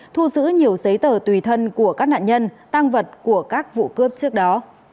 thu giữ nhiều giấy tờ tùy thân của các nạn nhân tăng vật của các vụ cướp trước đó